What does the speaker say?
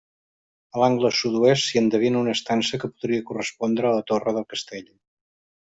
A l'angle sud-oest s'hi endevina una estança que podria correspondre a la torre del castell.